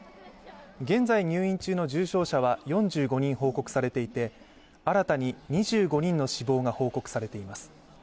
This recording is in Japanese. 現在入院中の重症者は４５人報告されていて、新たに２５人の死亡が報告されています。